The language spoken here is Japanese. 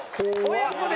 親子で。